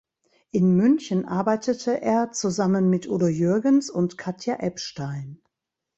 In München arbeitete er zusammen mit Udo Jürgens und Katja Ebstein.